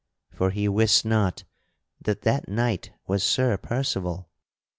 (For he wist not that that knight was Sir Percival.)